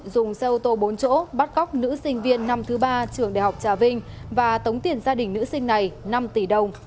dùng xe ô tô bốn chỗ bắt cóc nữ sinh viên năm thứ ba trường đại học trà vinh và tống tiền gia đình nữ sinh này năm tỷ đồng